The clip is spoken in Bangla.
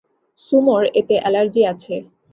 সুমোর এতে এলার্জি আছে।